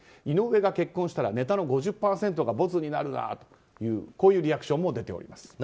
井上が結婚したらネタの５０％がボツになるなというリアクションも出ております。